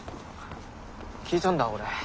聞いたんだ俺。